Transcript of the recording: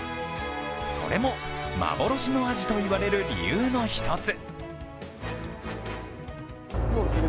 それも幻のアジといわれる理由の一つ。